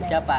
lu tau gak